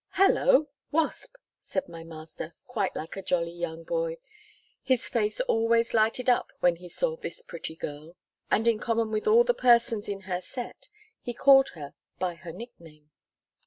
"Hello! Wasp," said my master, quite like a jolly young boy. His face always lighted up when he saw this pretty girl, and in common with all the persons in her set, he called her by her nickname.